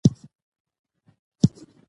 شرکتونو سره به شفاف،